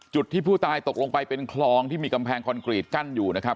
จุดที่ผู้ตายตกลงไปเป็นคลองที่มีกำแพงคอนกรีตกั้นอยู่นะครับ